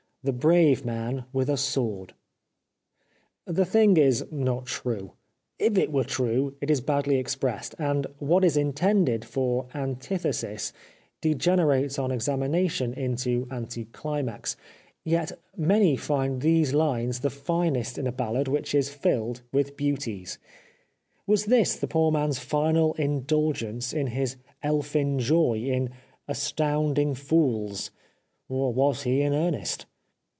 The brave man with a sword !" The thing is not true ; if it were true it is badly expressed, and what is intended for an tithesis degenerates on examination into anti chmax. Yet many find these hnes the finest 413 The Life of Oscar Wilde in a ballad which is filled with beauties. Was this the poor man's final indulgence in his elfin joy in " astounding fools/' or was he in earnest